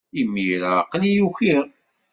Imir-a, aql-iyi ukiɣ.